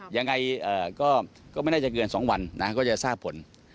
ยังไงก็ไม่น่าจะเกิน๒วันนะก็จะทราบผล